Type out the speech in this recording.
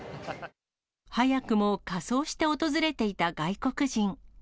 早くも仮装して訪れていた外